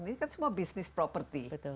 ini kan semua bisnis properti